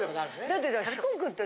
だってさ。